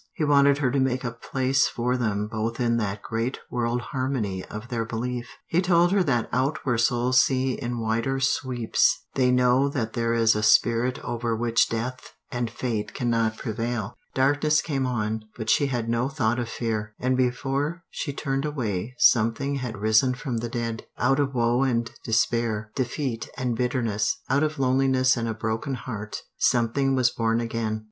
He wanted her to make a place for them both in that great world harmony of their belief. He told her that out where souls see in wider sweeps, they know that there is a spirit over which death and fate cannot prevail. Darkness came on, but she had no thought of fear. And before she turned away something had risen from the dead. Out of woe and despair, defeat and bitterness, out of loneliness and a broken heart, something was born again.